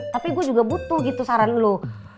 tapi gue juga butuh gitu saran lo